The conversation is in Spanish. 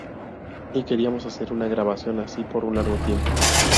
Y queríamos hacer una grabación así por un largo tiempo.